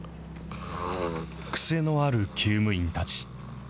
癖のあるきゅう務員たち。